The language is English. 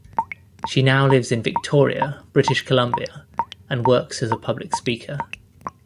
She now lives in Victoria, British Columbia and works as a public speaker.